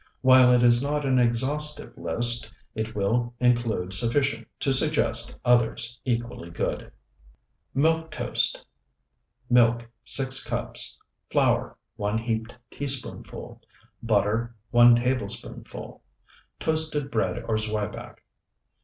While it is not an exhaustive list, it will include sufficient to suggest others equally good. MILK TOAST Milk, 6 cups. Flour, 1 heaped teaspoonful. Butter, 1 tablespoonful. Toasted bread or zwieback.